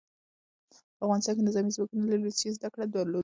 په افغانستان کې نظامي ځواکونه له روسیې زدکړې درلودې.